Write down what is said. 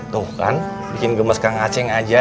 tuh kan bikin gemes kak ngaceng aja